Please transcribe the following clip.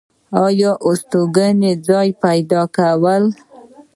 دا ستوګنې ځاے پېدا كول